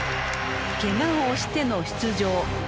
ケガを押しての出場。